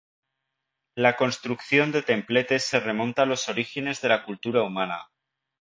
La construcción de templetes se remonta a los orígenes de la cultura humana.